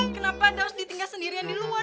kenapa daud ditinggal sendirian di luar